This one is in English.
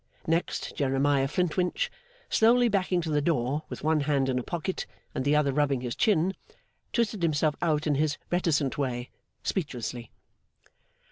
Next, Jeremiah Flintwinch, slowly backing to the door, with one hand in a pocket, and the other rubbing his chin, twisted himself out in his reticent way, speechlessly.